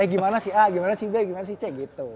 eh gimana sih a gimana sih b gimana sih c gitu